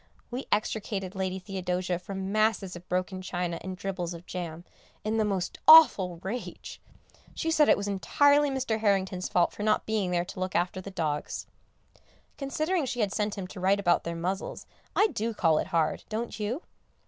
We extricated Lady Theodosia from masses of broken china and dribbles of jam, in the most awful rage. She said it was entirely Mr. Harrington's fault for not being there to look after the dogs. Considering she had sent him to write about their muzzles, I do call it hard, don't you?